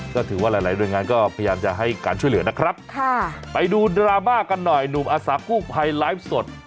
ก็ถือว่าหลายหลายหน่วยงานก็พยายามจะให้การช่วยเหลือนะครับค่ะไปดูดราม่ากันหน่อยหนุ่มอาสากู้ภัยไลฟ์สด